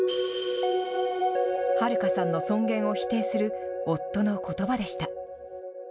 はるかさんの尊厳を否定する、夫のことばでした。